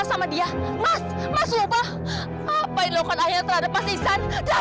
sampai jumpa di video selanjutnya